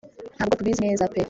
ntabwo tubizi neza pe